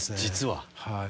はい。